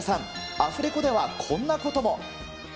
アフレコではこんなことも。